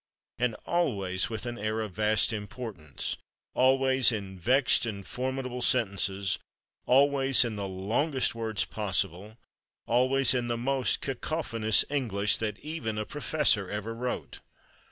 And always with an air of vast importance, always in vexed and formidable sentences, always in the longest words possible, always in the most cacophonous English that even a professor ever wrote.